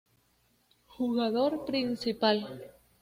Jugador Principal